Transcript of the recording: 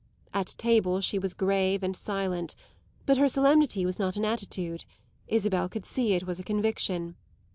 At table she was grave and silent; but her solemnity was not an attitude Isabel could see it was a conviction.